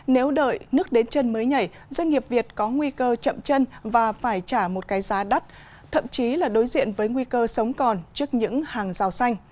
nếu đợi nước đến chân mới nhảy doanh nghiệp việt có nguy cơ chậm chân và phải trả một cái giá đắt thậm chí là đối diện với nguy cơ sống còn trước những hàng rào xanh